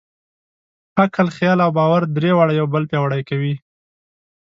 عقل، خیال او باور؛ درې واړه یو بل پیاوړي کوي.